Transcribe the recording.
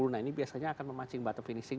nah ini biasanya akan memancing botol finishing